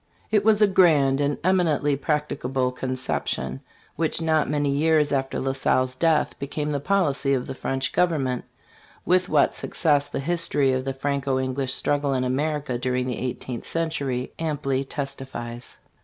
It was a grand and eminently practicable conception, which not many years after La Salle's death became the policy of the French government, with what success the history of the Franco English struggle in America during the eighteenth cen century amply testifies.